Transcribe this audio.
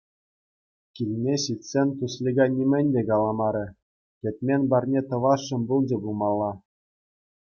Килне ҫитсен Туслика нимӗн те каламарӗ — кӗтмен парне тӑвасшӑн пулчӗ пулмалла.